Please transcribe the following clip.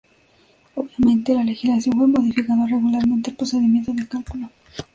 Obviamente, la legislación fue modificando regularmente el procedimiento de cálculo.